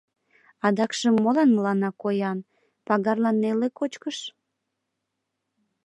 Адакшым молан мыланна коян, пагарлан неле кочкыш?